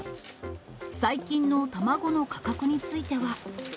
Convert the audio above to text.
最近の卵の価格については。